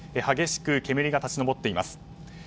激しく煙が立ち上っています。